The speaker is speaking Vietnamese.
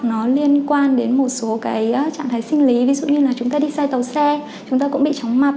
nó liên quan đến một số cái trạng thái sinh lý ví dụ như là chúng ta đi sai tàu xe chúng ta cũng bị chóng mặt